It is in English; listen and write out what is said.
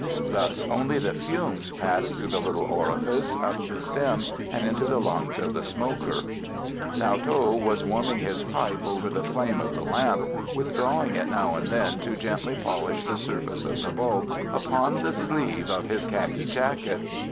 Thus only the fumes pass through the little orifice, up the stem and into the lungs of the smoker. Now Tho was warming his pipe over the flame of the lamp, withdrawing it now and again to gently polish the surface of the bulb upon the sleeve of his khaki jacket.